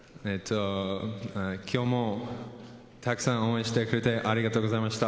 今日もたくさん応援してくれて、ありがとうございました。